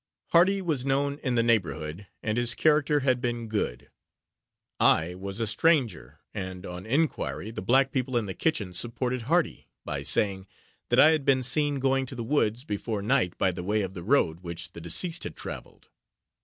Hardy was known in the neighborhood, and his character had been good. I was a stranger, and on inquiry, the black people in the kitchen supported Hardy, by saying, that I had been seen going to the woods before night by the way of the road which the deceased had traveled.